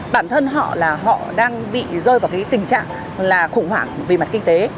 bản thân họ là họ đang bị rơi vào cái tình trạng là khủng hoảng về mặt kinh tế